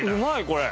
これ。